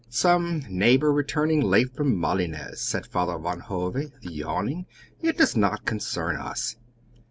"Some neighbor returning late from Malines," said Father Van Hove, yawning. "It does not concern us."